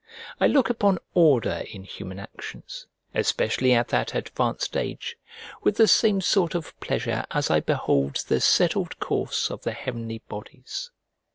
I look upon order in human actions, especially at that advanced age, with the same sort of pleasure as I behold the settled course of the heavenly bodies.